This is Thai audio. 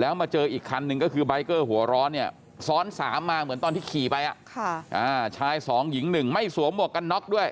แล้วมาเจออีกคันหนึ่งก็คือใบเกอร์หัวร้อนเนี่ยซ้อน๓มาเหมือนตอนที่ขี่ไปชาย๒หญิง๑ไม่สวมหมวกกันน็อกด้วย